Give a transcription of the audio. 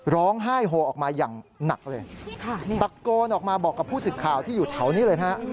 ร้องไห้โฮออกมาอย่างหนักเลยตะโกนออกมาบอกกับผู้สิทธิ์ข่าวที่อยู่แถวนี้เลยนะฮะ